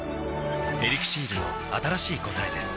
「エリクシール」の新しい答えです